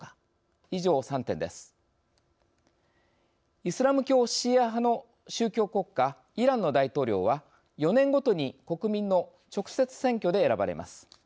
イスラム教シーア派の宗教国家イランの大統領は４年ごとに国民の直接選挙で選ばれます。